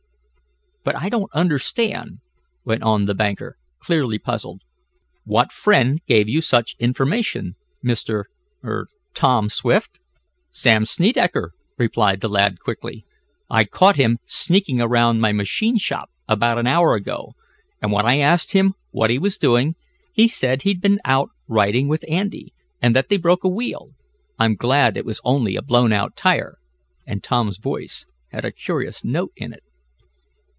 "But I don't understand," went on the banker, clearly puzzled. "What friend gave you such information, Mr. er Tom Swift?" "Sam Snedecker," replied the lad quickly. "I caught him sneaking around my machine shop about an hour ago, and when I asked him what he was doing he said he'd been out riding with Andy, and that they broke a wheel. I'm glad it was only a blown out tire," and Tom's voice had a curious note in it.